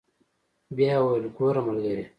بيا يې وويل ګوره ملګريه.